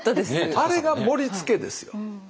あれが盛りつけですよ。